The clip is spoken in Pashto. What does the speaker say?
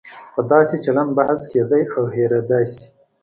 په داسې چلن بحث کېدای او هېریدای شي.